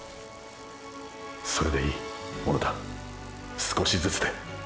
それでいい小野田少しずつで。